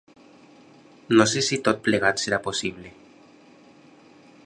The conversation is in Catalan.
No sé si tot plegat serà possible.